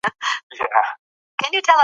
ریا هغه څه دي ، چي موږ ئې په ظاهره کوو.